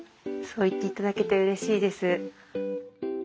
そう言っていただけてうれしいです。